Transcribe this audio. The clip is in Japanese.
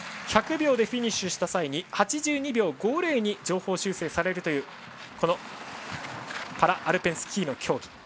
１００秒でフィニッシュしたら８２秒５０に上方修正されるというパラアルペンスキーの競技。